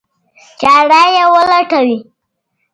چاره یې ولټوي.